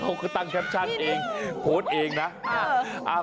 เขาก็ตั้งแคปชั่นเองโพสต์เองนะ